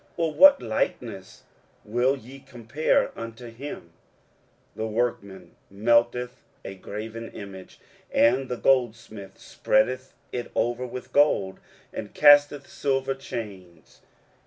or what likeness will ye compare unto him? 23:040:019 The workman melteth a graven image, and the goldsmith spreadeth it over with gold, and casteth silver chains.